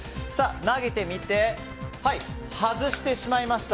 投げてみて、外してしまいました。